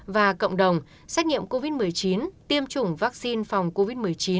và cộng đồng xét nghiệm covid một mươi chín tiêm chủng vaccine phòng covid một mươi chín